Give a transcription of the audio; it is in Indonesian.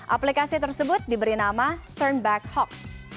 aplikasi tersebut diberi nama turnback hoax